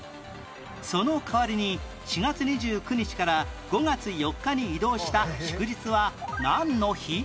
その代わりに４月２９日から５月４日に移動した祝日はなんの日？